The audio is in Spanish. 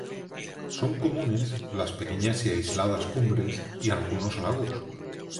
Son comunes las pequeñas y aisladas cumbres y algunos lagos.